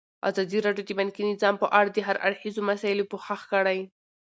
ازادي راډیو د بانکي نظام په اړه د هر اړخیزو مسایلو پوښښ کړی.